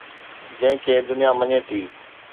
جنهن کي دنيا مڃي ٿي.